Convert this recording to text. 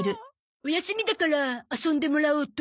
お休みだから遊んでもらおうと。